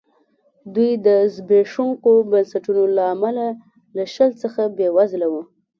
دوی د زبېښونکو بنسټونو له امله له شل څخه بېوزله وو.